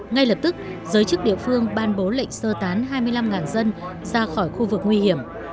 ngay lập tức giới chức địa phương ban bố lệnh sơ tán hai mươi năm dân ra khỏi khu vực nguy hiểm